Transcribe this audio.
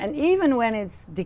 và nó vẫn là thế